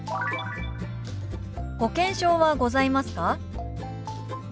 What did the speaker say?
「保険証はございますか？」。